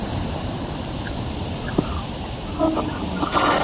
他立即以百分之一秒曝光拍摄多张照片。